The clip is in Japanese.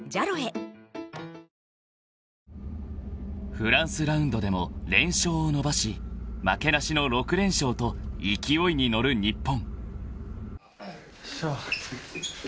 ［フランスラウンドでも連勝を伸ばし負けなしの６連勝と勢いに乗る日本］